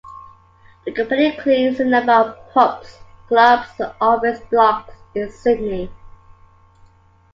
The company cleans a number of pubs, clubs and office blocks in Sydney.